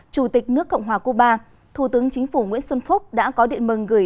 chủ tịch nước cộng hòa cuba thủ tướng chính phủ nguyễn xuân phúc đã có điện mừng gửi